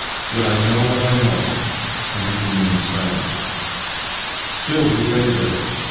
" Yet I know what I know," and he remained silent. Still he lay there.